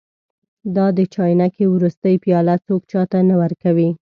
دا د چاینکې وروستۍ پیاله څوک چا ته نه ورکوي.